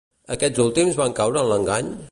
Aquests últims van caure en l'engany?